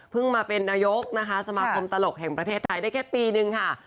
พึ่งมาเป็นนโยคสมาธิบายความตลกแห่งประเภทไทยได้แค่ปีนึงค่ะ